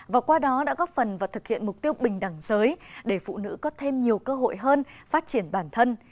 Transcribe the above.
và qua đó đã góp phần vào thực hiện mục tiêu bình đẳng giới để phụ nữ có thêm nhiều cơ hội hơn phát triển bản thân